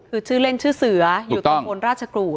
คือชื่อเล่นชื่อเสืออยู่ตำบลราชกรูด